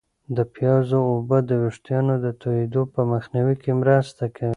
د پیازو اوبه د ویښتانو د توییدو په مخنیوي کې مرسته کوي.